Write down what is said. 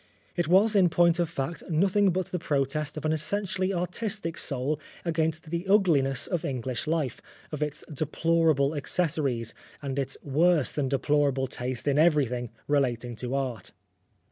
It was, in point of fact, nothing but the protest of an essentially artistic soul against the ugliness of English life, of its deplorable accessories, and its worse than deplorable taste in everything relating to art.